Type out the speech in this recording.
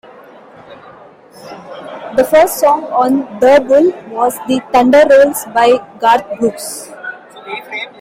The first song on "The Bull" was "The Thunder Rolls" by Garth Brooks.